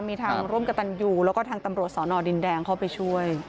มีทางร่วมกับตันยูแล้วก็ทางตำรวจสอนอดินแดงเข้าไปช่วย